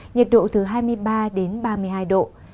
nhiệt độ từ hai mươi ba đến ba mươi hai độ